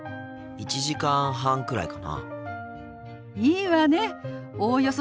「１時間半くらいかな」。